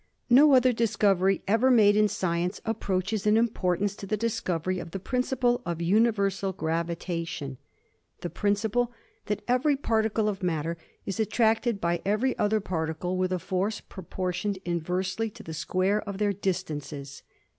No other discovery ever made in science approaches in importance to the discovery of the principle of uni versal gravitation, — ^the principle that every pai'ticle of matter is attracted by every other particle with a force proportioned inversely to the square of their distances.